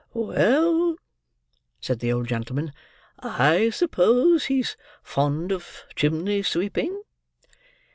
"Well," said the old gentleman, "I suppose he's fond of chimney sweeping?"